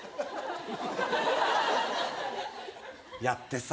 やってさ。